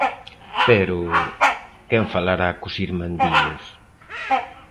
Pero, quen falará cos irmandiños?